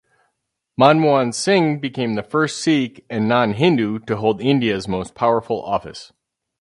Manmohan Singh became the first Sikh and non-Hindu to hold India's most powerful office.